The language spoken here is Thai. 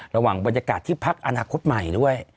ระหว่างบรรยากาศที่พักอนาคตใหม่ด้วย